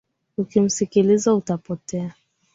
Ukimsikiliza utapotea